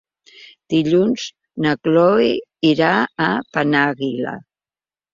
Dilluns na Cloè irà a Penàguila.